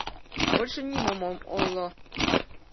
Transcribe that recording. Больше нимом ом ойло.